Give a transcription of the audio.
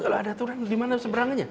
kalau ada aturan di mana seberangannya